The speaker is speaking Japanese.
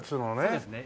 そうですね。